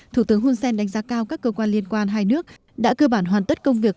thủ tướng hunsen đánh giá cao các cơ quan liên quan hai nước đã cơ bản hoàn tất công việc